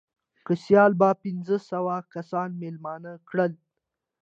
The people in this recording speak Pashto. که سیال به پنځه سوه کسان مېلمانه کړل.